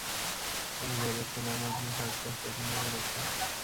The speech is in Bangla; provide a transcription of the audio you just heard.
আমি ভেবেছিলাম আপনি সারপ্রাইজ পছন্দ করেছেন।